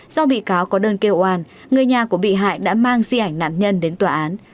do bị cáo có đơn kêu oan người nhà của bị hại đã mang di ảnh nạn nhân đến tòa án